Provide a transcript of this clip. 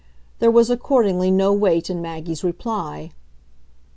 There was accordingly no wait in Maggie's reply.